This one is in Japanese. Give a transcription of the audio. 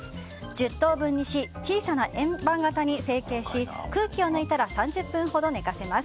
１０等分にし小さな円盤形に成形し空気を抜いたら３０分ほど寝かせます。